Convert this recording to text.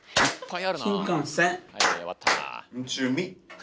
あ。